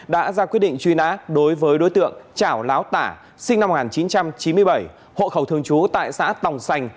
đã ra quyết định truy nã đối với đối tượng trảo láo tả sinh năm một nghìn chín trăm chín mươi bảy hộ khẩu thường trú tại xã tòng sành